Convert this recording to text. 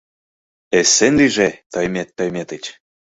— Эсен лийже, Тоймет Тойметыч!